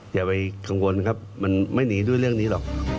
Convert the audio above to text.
อย่าไปกังวลครับมันไม่หนีด้วยเรื่องนี้หรอก